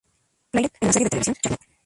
Claire en la serie de televisión "Charmed".